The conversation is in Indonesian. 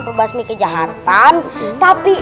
perbasmi kejahatan tapi